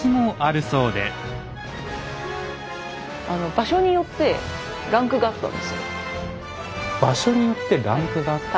場所によってランクがあった？